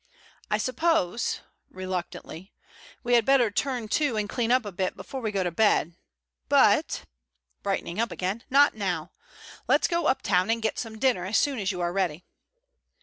I suppose"—reluctantly—"we had better turn to and clean up a bit before we go to bed. But"—brightening up again—"not now. Let's go up town and get some dinner as soon as you are ready."